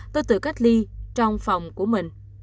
tôi tự cách ly trong phòng của mình